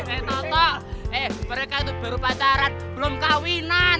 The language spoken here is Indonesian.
eh toto eh mereka itu baru pacaran belum kawinan